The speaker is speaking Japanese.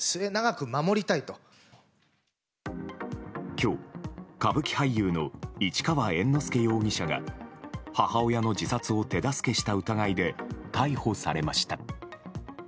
今日、歌舞伎俳優の市川猿之助容疑者が母親の自殺を手助けした疑いで逮捕されました。